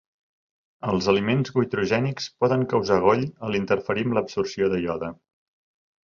Els aliments goitrogènics poden causar goll a l'interferir amb l'absorció de iode.